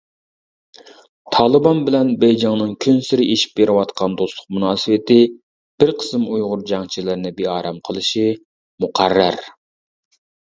تالىبان بىلەن بېيجىڭنىڭ كۈنسېرى ئېشىپ بېرىۋاتقان دوستلۇق مۇناسىۋىتى بىر قىسىم ئۇيغۇر جەڭچىلىرىنى بىئارام قىلىشى مۇقەررەر.